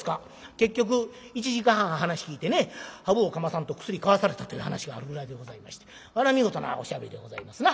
結局１時間半話聞いてねハブをかまさんと薬買わされたという話があるぐらいでございましてあれは見事なおしゃべりでございますな。